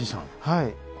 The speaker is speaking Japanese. はい。